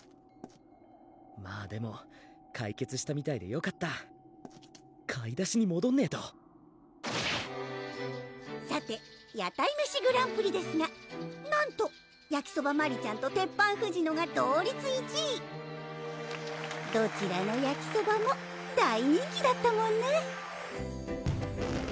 まぁでも解決したみたいでよかった買い出しにもどんねぇとさて屋台メシグランプリですがなんとやきそばマリちゃんと鉄板ふじのが同率１位どちらのやきそばも大人気だったもんね